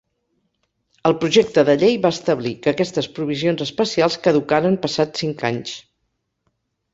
El projecte de llei va establir que aquestes provisions especials caducaren passats cinc anys.